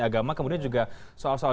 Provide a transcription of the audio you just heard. agama kemudian juga soal soal